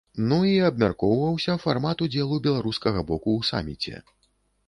Ну, і абмяркоўваўся фармат удзелу беларускага боку ў саміце.